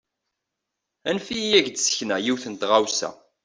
Anef-iyi ad ak-d-sekneɣ yiwet n tɣawsa.